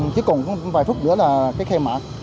chỉ còn một vài phút nữa là cái khai mạc